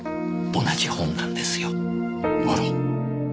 あら。